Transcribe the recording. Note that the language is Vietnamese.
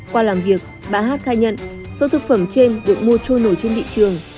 qua làm việc bà hát khai nhận số thực phẩm trên được mua trôi nổi trên thị trường